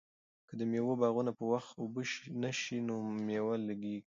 که د مېوو باغونه په وخت اوبه نشي نو مېوه لږیږي.